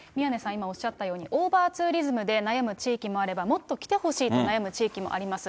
今おっしゃったように、オーバーツーリズムで悩む地域もあれば、もっと来てほしいと悩む地域もあります。